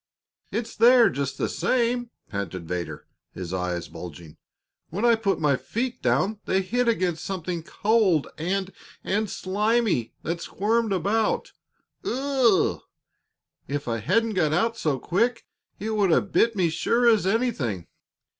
"It's there, just the same," panted Vedder, his eyes bulging. "When I put my feet down they hit against something cold and and slimy that squirmed about. Ugh! If I hadn't got out so quick, it would have bit me sure as anything.